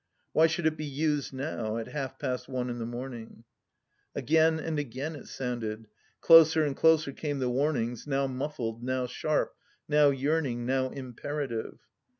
Why should it be used now — at half past one in the morning ?... Again and again it soimded ; closer and closer came the warnings, now muffled, now sharp, now yearning, now im perative.